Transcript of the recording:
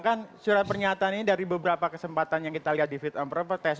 kan surat pernyataan ini dari beberapa kesempatan yang kita lihat di fit on properties